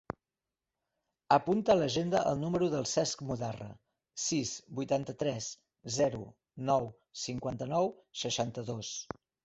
Apunta a l'agenda el número del Cesc Mudarra: sis, vuitanta-tres, zero, nou, cinquanta-nou, seixanta-dos.